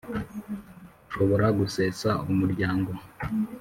ushobora gusesa umuryango